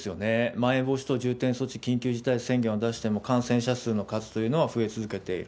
まん延防止等重点措置、緊急事態宣言を出しても感染者数の数というのは増え続けている。